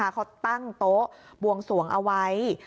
เขาตั้งโต๊ะบวงสวงเอาไว้